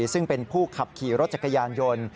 ซึ่งเป็นผู้ขับขี่รถจักรยานยนต์